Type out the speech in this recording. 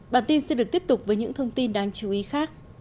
bản tin sẽ được tiếp tục với những thông tin đáng chú ý khác